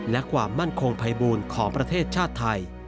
และความมั่นคงภัยบูลของประเทศชาติไทย